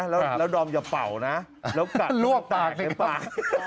แล้วดอมอย่าเป่านะแล้วกัดลวกปากใส่ปาก